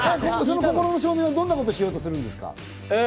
心の少年は何をしようとするんですか？